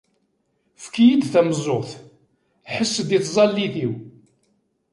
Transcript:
Efk-d tameẓẓuɣt, ḥess-d i tẓallit-iw!